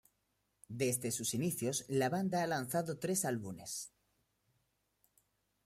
Desde sus inicios, la banda ha lanzado tres álbumes.